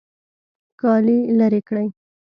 کالي لرې کړئ